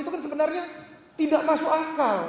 itu kan sebenarnya tidak masuk akal